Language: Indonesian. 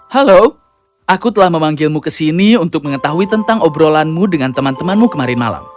halo aku telah memanggilmu ke sini untuk mengetahui tentang obrolanmu dengan teman temanmu kemarin malam